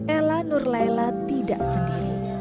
ella nurlela tidak sendiri